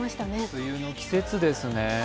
梅雨の季節ですね。